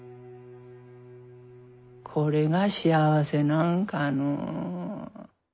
これが幸せなんかのう。